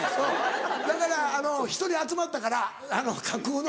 だから１人集まったからあの架空の。